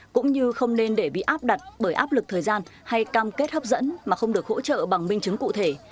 cũng như không nên để bị áp đặt bởi áp lực thời gian hay cam kết hấp dẫn mà không được hỗ trợ bằng minh chứng cụ thể